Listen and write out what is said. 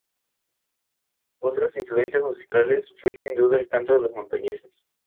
Otras influencias musicales, fue sin duda el canto de los montañeses.